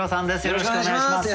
よろしくお願いします。